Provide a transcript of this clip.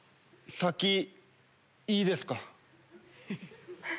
先いいですか？